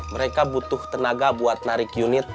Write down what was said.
mereka butuh tenaga buat narik unit